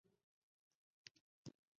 马克姆位于。